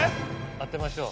当てましょう。